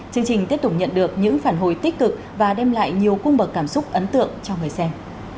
chương trình tiếp tục nhận được những phản hồi tích cực và đem lại nhiều cung bậc cảm xúc ấn tượng cho người xem